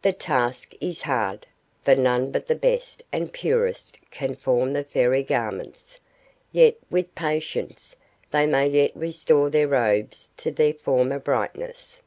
The task is hard, for none but the best and purest can form the Fairy garments; yet with patience they may yet restore their robes to their former brightness.